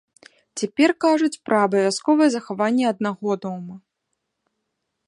Цяпер кажуць пра абавязковае захаванне аднаго дома.